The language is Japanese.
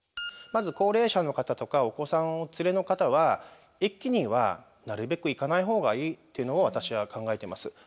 まず高齢者の方とかお子さんをお連れの方は駅にはなるべく行かない方がいいっていうのを私は考えてます。